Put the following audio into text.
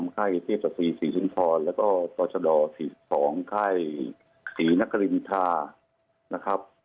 ไข้เทศสะฝีศรีชุนทรแล้วก็ศศ๔๒ไข้ศรีนกริมทรานะครับ